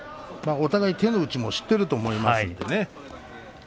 お互いに手の内も知っていると思いますよね。